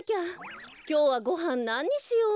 きょうはごはんなににしよう？